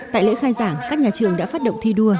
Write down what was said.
tại lễ khai giảng các nhà trường đã phát động thi đua